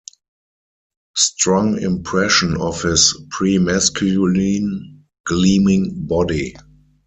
Strong impression of his premasculine, gleaming body.